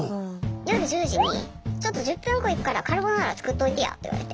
夜１０時に「ちょっと１０分後行くからカルボナーラ作っといてや」って言われて。